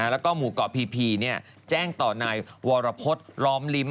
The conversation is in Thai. แล้วก็หมู่เกาะพีแจ้งต่อนายวรพฤษล้อมลิ้ม